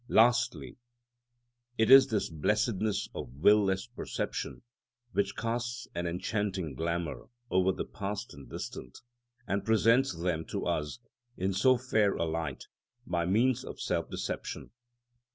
Lastly, it is this blessedness of will less perception which casts an enchanting glamour over the past and distant, and presents them to us in so fair a light by means of self deception.